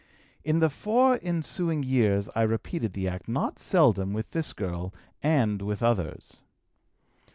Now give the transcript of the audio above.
"In the four ensuing years I repeated the act not seldom with this girl and with others.